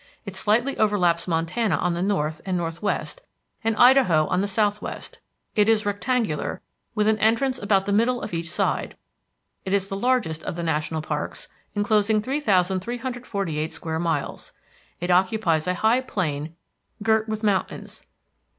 It slightly overlaps Montana on the north and northwest, and Idaho on the southwest. It is rectangular, with an entrance about the middle of each side. It is the largest of the national parks, enclosing 3,348 square miles. It occupies a high plain girt with mountains.